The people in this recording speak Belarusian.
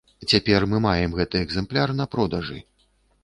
Цяпер мы маем гэты экзэмпляр на продажы.